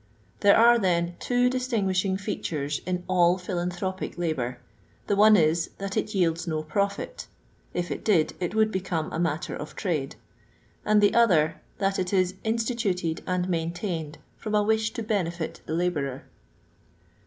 There ore, then, two distingiiislniij fentores in all philanUiropic labour — ^the one is, that it yields no profit (if it did it would become a matter of trade), and the other, that it is in stituted and maintained from a wish to benefit the hibourer.